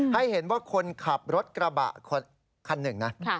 ให้เห็นว่าคนขับรถกระบะคันหนึ่งนะ